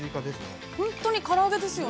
本当にから揚げですよ。